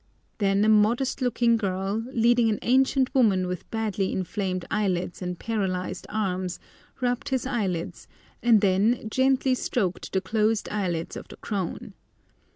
Then a modest looking girl, leading an ancient woman with badly inflamed eyelids and paralysed arms, rubbed his eyelids, and then gently stroked the closed eyelids of the crone.